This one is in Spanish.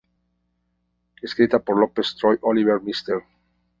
Escrita por Lopez, Troy Oliver, Mr.